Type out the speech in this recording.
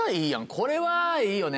これはいいよね。